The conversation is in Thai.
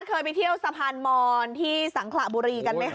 เคยไปเที่ยวสะพานมอนที่สังขระบุรีกันไหมคะ